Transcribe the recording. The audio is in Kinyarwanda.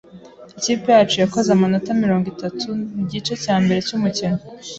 Ikipe yacu yakoze amanota mirongo itatu mugice cyambere cyumukino.